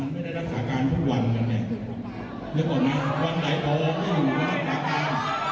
เรียกก่อนนะวันไหลโตไม่อยู่ในรักษาการ